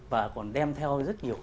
và còn đem theo rất nhiều